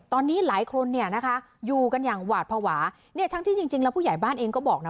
ตอนนี้หลายคนเนี่ยนะคะอยู่กันอย่างหวาดภาวะเนี่ยทั้งที่จริงจริงแล้วผู้ใหญ่บ้านเองก็บอกนะ